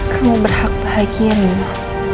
kamu berhak bahagia nilo